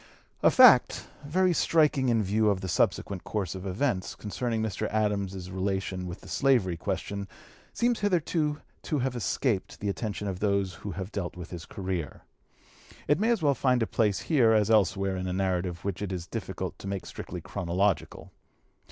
A fact, very striking in view of the subsequent course of events, concerning Mr. Adams's relation with the slavery question, seems hitherto to have escaped the attention of those who have dealt with his career. It may as well find a place here as elsewhere in a narrative which it is difficult to make strictly chronological.